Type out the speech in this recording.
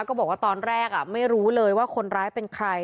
ก็บอกว่าตอนแรกไม่รู้เลยว่าคนร้ายเป็นใคร